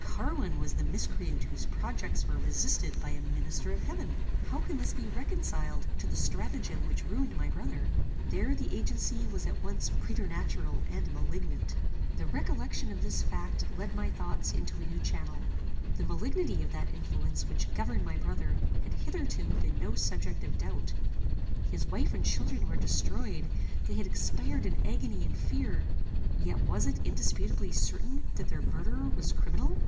Carwin was the miscreant whose projects were resisted by a minister of heaven. How can this be reconciled to the stratagem which ruined my brother? There the agency was at once preternatural and malignant. The recollection of this fact led my thoughts into a new channel. The malignity of that influence which governed my brother had hitherto been no subject of doubt. His wife and children were destroyed; they had expired in agony and fear; yet was it indisputably certain that their murderer was criminal?